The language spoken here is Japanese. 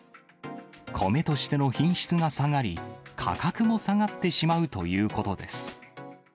米としての品質が下がり、価格も下がってしまうということです。